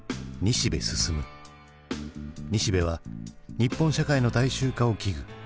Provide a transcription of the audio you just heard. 西部は日本社会の大衆化を危惧。